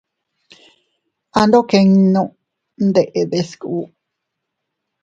Andokinnun dindede sku.